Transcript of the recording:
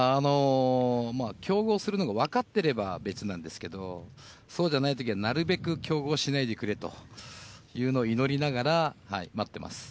競合するのが分かってれば別なんですけどそうじゃないときはなるべく競合しないでくれというのを祈りながら待っています。